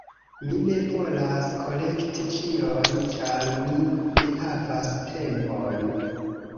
Mi ne volas kolekti ĉion, ĉar mi ne havas tempon.